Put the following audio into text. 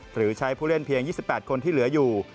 หรือใช้ผู้เล่นเพียง๒๘คนที่เหลืออยู่